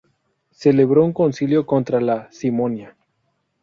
Celebró un concilio contra la simonía.